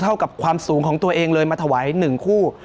เท่ากับความสูงของตัวเองเลยมาถวาย๑คู่